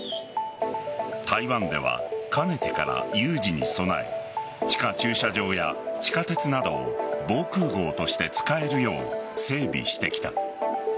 台湾では、かねてから有事に備え地下駐車場や地下鉄などを防空壕として使えるよう整備してきた。